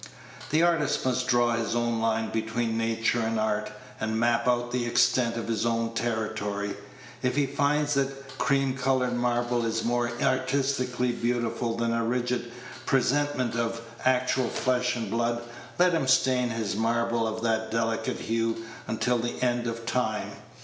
The artist must draw his own line between nature and art, and map out the extent of his own territory. If he finds that cream colored marble is more artistically beautiful than a rigid presentment of actual flesh and blood, let him stain his marble of that delicate hue until the end of time.